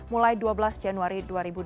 mulai dua belas januari dua ribu dua puluh